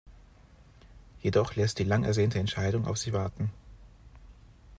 Jedoch lässt die lang ersehnte Entscheidung auf sich warten.